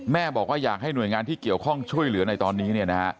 แม่บอกว่าอยากให้หน่วยงานที่เกี่ยวข้องช่วยเหลือในตอนนี้